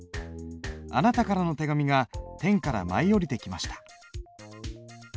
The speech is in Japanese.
「あなたからの手紙が天から舞い降りてきました」。